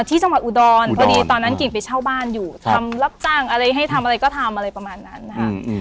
ที่จังหวัดอุดรพอดีตอนนั้นกิ่งไปเช่าบ้านอยู่ทำรับจ้างอะไรให้ทำอะไรก็ทำอะไรประมาณนั้นนะคะ